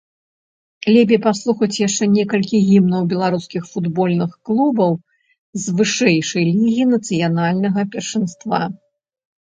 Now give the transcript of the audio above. Лепей паслухаць яшчэ некалькі гімнаў беларускіх футбольных клубаў з вышэйшай лігі нацыянальнага першынства.